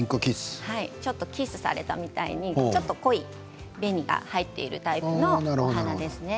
ちょっとキッスされたようにちょっと濃い紅が入っているタイプのお花ですね。